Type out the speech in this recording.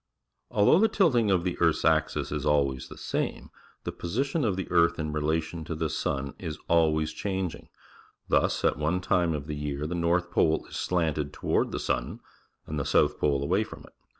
Although the tilting of the earth's axis ' is always the same, the position of the earth in relation to the sun is always changing. Thus at one time in the year the north pole is slanted toward the sun, and the south pole away from it.